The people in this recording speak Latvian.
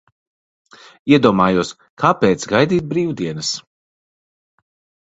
Iedomājos, kāpēc gaidīt brīvdienas?